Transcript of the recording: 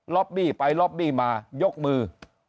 บี้ไปล็อบบี้มายกมือ